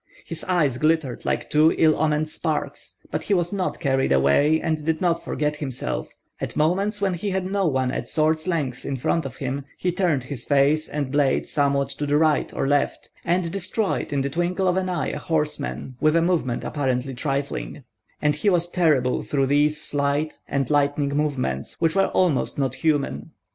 His eyes glittered like two ill omened sparks, but he was not carried away and did not forget himself; at moments, when he had no one at sword's length in front of him, he turned his face and blade somewhat to the right or left, and destroyed in the twinkle of an eye a horseman, with a movement apparently trifling; and he was terrible through these slight and lightning movements which were almost not human.